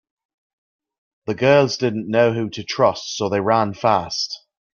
The girls didn’t know who to trust so they ran fast.